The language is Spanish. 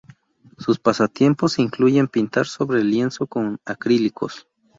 Sus pasatiempos incluyen pintar sobre lienzo con acrílicos.